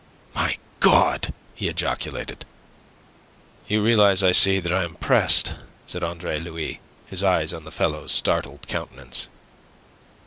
"My God!" he ejaculated. "You realize, I see, that I am pressed," said Andre Louis, his eyes on the fellow's startled countenance.